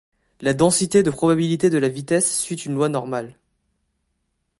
La densité de probabilité de la vitesse suit une loi normale.